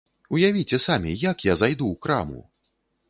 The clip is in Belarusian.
Уявіце самі, як я зайду ў краму?